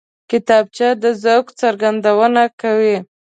کتابچه د ذوق څرګندونه کوي